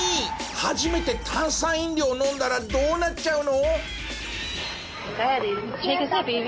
初めて炭酸飲料を飲んだらどうなっちゃうの？